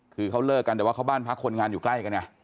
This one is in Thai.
คือเขาเลิกกันแต่ว่าเขาบ้านพักคนงานอยู่ใกล้กันไง